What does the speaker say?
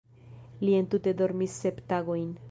Li entute dormis sep tagojn.